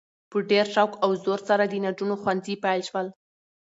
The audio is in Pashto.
په ډیر شوق او زور سره د نجونو ښونځي پیل شول؛